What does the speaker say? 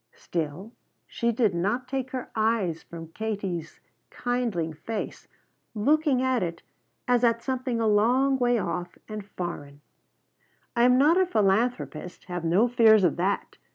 Still she did not take her eyes from Katie's kindling face, looking at it as at something a long way off and foreign. "I am not a philanthropist, have no fears of that.